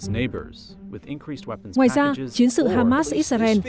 ngoài ra chiến sự hamas israel